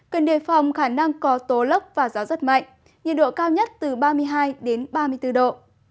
cần đề phòng khả năng có tố lốc và gió rất mạnh nhiệt độ cao nhất từ ba mươi hai ba mươi bốn độ